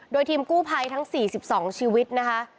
โดยทีมกู้ภัยทั้ง๔๒ชีวิตนะคะ